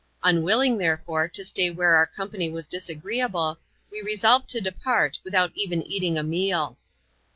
Unwilling, there fore, to stay where our company was disagreeable, we resolved to depart, without even eating a meal.